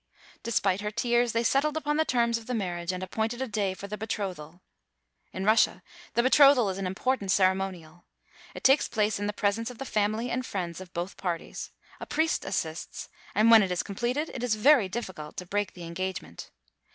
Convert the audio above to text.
Despite her tears, they settled upon the terms of the marriage, and appointed a day for the betrothal. In Russia the betrothal is an important ceremonial. It takes place in the presence of the family and friends of both parties, a priest assists, and when it is completed, it is very difficult to break the engagement.